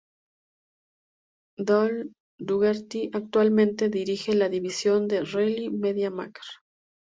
Dale Dougherty actualmente dirige la división O'Reilly Media Maker.